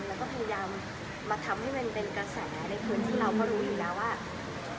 แล้วก็พยายามมาทำให้มันเป็นกระแสในพื้นที่เราก็รู้อยู่แล้วว่า